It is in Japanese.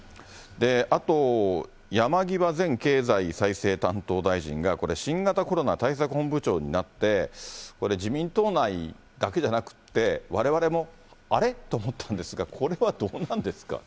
あと山際前経済再生担当大臣がこれ、新型コロナ対策本部長になって、これ、自民党内だけじゃなくって、われわれも、あれ？と思ったんですが、これはどうなんですか。